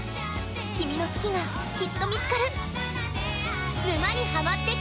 君の好きが、きっと見つかる。